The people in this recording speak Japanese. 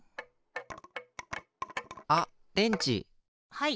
はい。